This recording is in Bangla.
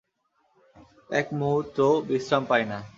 এক মুহূর্তও বিশ্রাম পাই না।